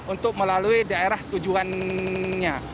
untuk melalui daerah tujuannya